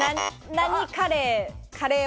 何カレー？